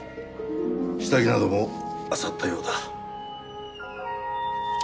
下着なども漁ったようだ。